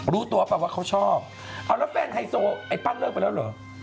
รู้ตัวป่ะว่าเขาชอบเอาแล้วแฟนไฮโซไอ้ปั้นเลิกไปแล้วเหรอ